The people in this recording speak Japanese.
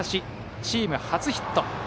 チーム初ヒット。